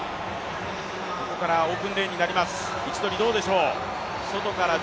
ここからオープンレーンになります。